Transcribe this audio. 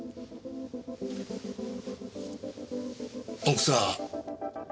奥さん。